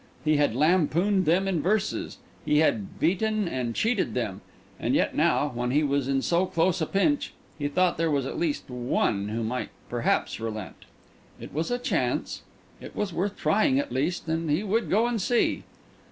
He had lampooned them in verses, he had beaten and cheated them; and yet now, when he was in so close a pinch, he thought there was at least one who might perhaps relent. It was a chance. It was worth trying at least, and he would go and see.